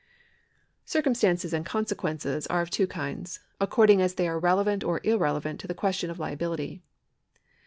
Circumstances and consequences are of two kinds, accord ing as they are relevant or irrelevant to the question of liability.